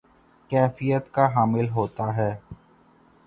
کیفیت کا حامل ہوتا ہے